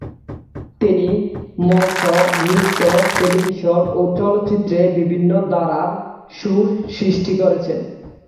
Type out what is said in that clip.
তিনি মঞ্চ, নৃত্য, টেলিভিশন ও চলচ্চিত্রে বিভিন্ন ধারার সুর সৃষ্টি করেছেন।